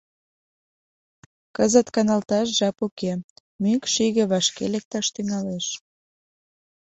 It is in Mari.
Кызыт каналташ жап уке: мӱкш иге вашке лекташ тӱҥалеш.